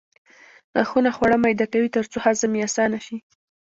غاښونه خواړه میده کوي ترڅو هضم یې اسانه شي